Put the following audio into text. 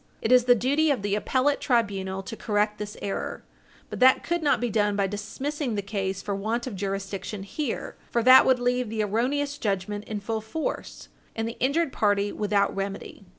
I t is the duty of the appellate tribunal to correct this error, but that could not be done by dismissing the case for want of jurisdiction here for that would leave the erroneous judgment in full force, and the injured party without remedy.